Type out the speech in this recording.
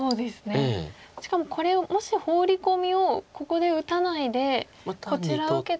しかもこれをもしホウリコミをここで打たないでこちらを受けていたら。